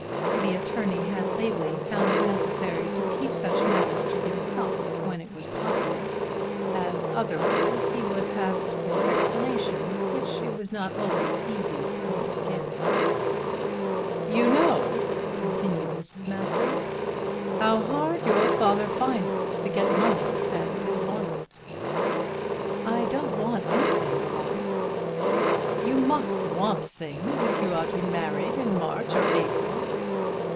The attorney had lately found it necessary to keep such matters to himself when it was possible, as otherwise he was asked for explanations which it was not always easy for him to give. "You know," continued Mrs. Masters, "how hard your father finds it to get money as it is wanted." "I don't want anything, mamma." "You must want things if you are to be married in March or April."